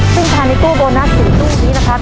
ซึ่งภายในตู้โบนัส๔ตู้นี้นะครับ